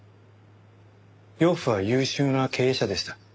養父は優秀な経営者でした。